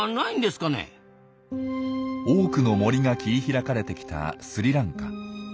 多くの森が切り開かれてきたスリランカ。